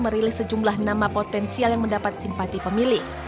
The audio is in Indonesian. merilis sejumlah nama potensial yang mendapat simpati pemilih